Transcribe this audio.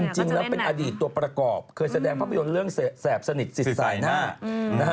จริงแล้วเป็นอดีตตัวประกอบเคยแสดงภาพยนตร์เรื่องแสบสนิทสิทธิ์สายหน้านะฮะ